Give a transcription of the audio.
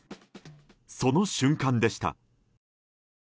その瞬間でした。